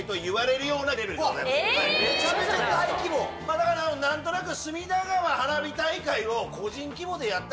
だから何となく。